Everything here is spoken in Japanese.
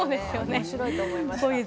面白いと思いました。